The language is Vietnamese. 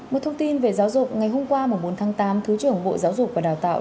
một thông tin về giáo dục ngày hôm qua bốn tháng tám thứ trưởng bộ giáo dục và đào tạo